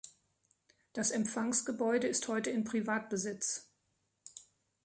Das Empfangsgebäude ist heute in Privatbesitz.